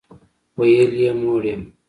ویل یې موړ یم.